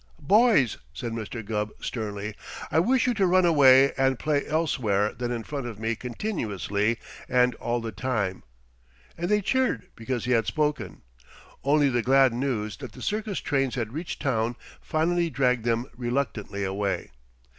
"Boys," said Mr. Gubb sternly, "I wish you to run away and play elsewhere than in front of me continuously and all the time," and they cheered because he had spoken. Only the glad news that the circus trains had reached town finally dragged them reluctantly away.